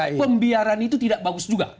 karena pembiaran itu tidak bagus juga